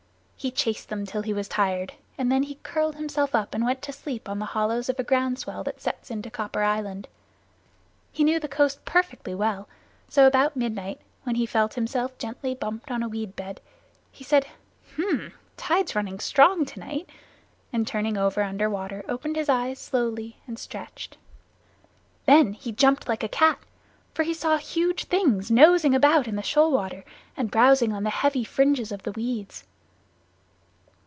He chased them till he was tired, and then he curled himself up and went to sleep on the hollows of the ground swell that sets in to Copper Island. He knew the coast perfectly well, so about midnight, when he felt himself gently bumped on a weed bed, he said, "Hm, tide's running strong tonight," and turning over under water opened his eyes slowly and stretched. Then he jumped like a cat, for he saw huge things nosing about in the shoal water and browsing on the heavy fringes of the weeds.